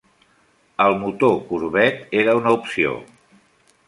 El motor Corvette era una opció.